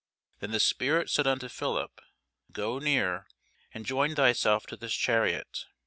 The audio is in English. Then the Spirit said unto Philip, Go near, and join thyself to this chariot.